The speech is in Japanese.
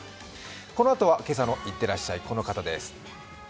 このあとは「今朝のいってらっしゃい」、この方です。